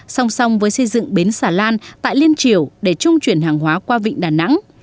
song song với xây dựng bến xà lan tại liên triều để trung chuyển hàng hóa qua vịnh đà nẵng